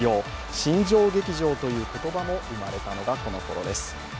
新庄劇場という言葉が生まれたのも、この頃です。